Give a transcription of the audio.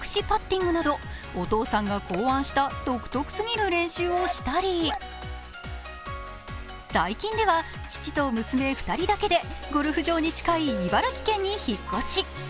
パッティングなど、お父さんが考案した独特すぎる練習をしたり、最近では父と娘、２人だけでゴルフ場に近い茨城県に引っ越し。